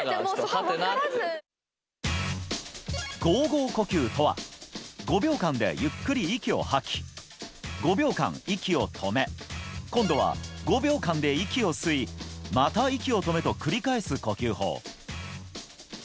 ゴーゴー呼吸とは５秒間でゆっくり息を吐き５秒間、息を止め今度は５秒間で息を吸いまた息を止めと繰り返す呼吸法。